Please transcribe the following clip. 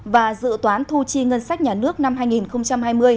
và dự toán thu chi ngân sách nhà nước năm hai nghìn hai mươi